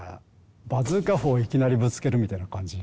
バズーカ砲をいきなりぶつけるみたいな感じが。